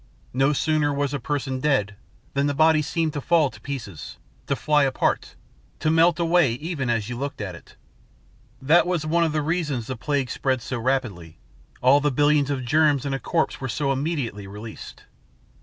No sooner was a person dead than the body seemed to fall to pieces, to fly apart, to melt away even as you looked at it. That was one of the reasons the plague spread so rapidly. All the billions of germs in a corpse were so immediately released.